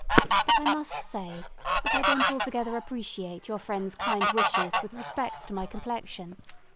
But, I must say, that I don't altogether appreciate your friend's kind wishes with respect to my complexion.